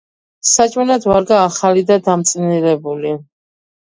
საჭმელად ვარგა ახალი და დამწნილებული.